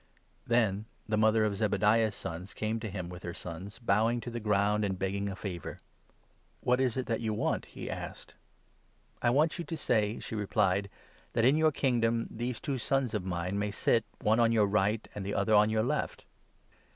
Then the mother of Zebediah's sons came to 20 oVthrMoth'er nmi with her sons, bowing to the ground, and of James begging a favour. and John. « what is it that you want ?" he asked. 21 " I want you to say," she replied, "that in your Kingdom these two sons of mine may sit, one on your right, and the other on your left."